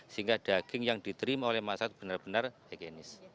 sehingga daging yang diterima oleh masyarakat benar benar higienis